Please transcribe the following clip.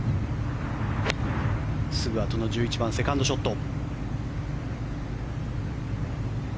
すぐあとの１１番、セカンドショット。